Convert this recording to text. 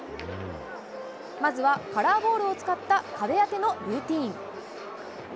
まずはカラーボールを使った壁当てのルーティン。